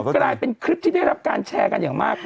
กลายเป็นคลิปที่ได้รับการแชร์กันอย่างมาก